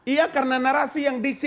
iya karena narasi yang diksi